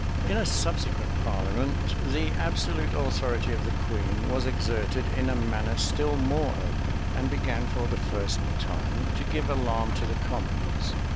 In a subsequent parliament, the absolute authority of the queen was exerted in a manner still more open; and began for the first time to give alarm to the commons.